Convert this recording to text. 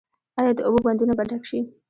آیا د اوبو بندونه به ډک شي؟